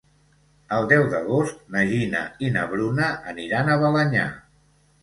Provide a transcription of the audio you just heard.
El deu d'agost na Gina i na Bruna aniran a Balenyà.